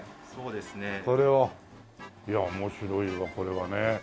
いや面白いわこれはね。